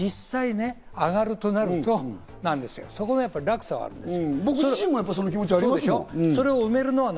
実際上がるとなると落差はあるんですよ。